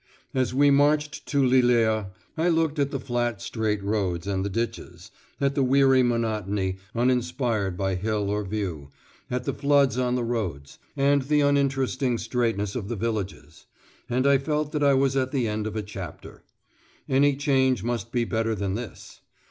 As we marched to Lillers I looked at the flat straight roads and the ditches, at the weary monotony, uninspired by hill or view, at the floods on the roads, and the uninteresting straightness of the villages; and I felt that I was at the end of a chapter. Any change must be better than this.